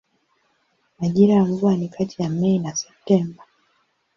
Majira ya mvua ni kati ya Mei na Septemba.